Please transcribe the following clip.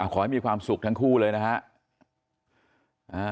ขอให้มีความสุขทั้งคู่เลยนะฮะ